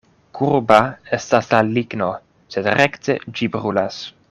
Kurba estas la ligno, sed rekte ĝi brulas.